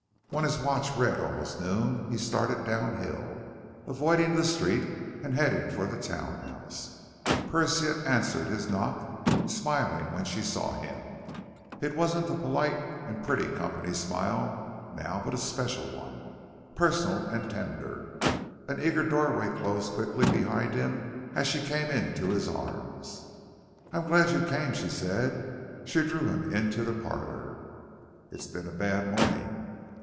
When his watch read almost noon, he started downhill, avoiding the street and heading for the townhouse. Persia answered his knock, smiling when she saw him. It wasn't the polite and pretty company smile now but a special one, personal and tender, an eager doorway closed quickly behind him as she came into his arms. "I'm glad you came," she said. She drew him into the parlor. "It's been a bad morning."